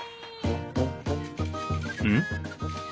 うん？